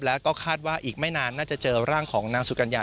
แล้วก็คาดว่าอีกไม่นานน่าจะเจอร่างของนางสุกัญญา